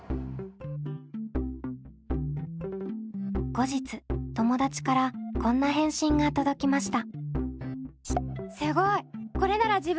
後日友達からこんな返信が届きました。